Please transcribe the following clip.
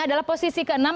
adalah posisi keenam